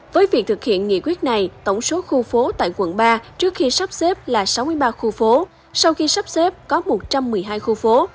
với việc thực hiện nghị quyết này tổng số khu phố tại quận ba trước khi sắp xếp là sáu mươi ba khu phố sau khi sắp xếp có một trăm một mươi hai khu phố